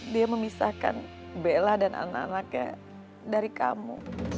dia memisahkan bella dan anak anaknya dari kamu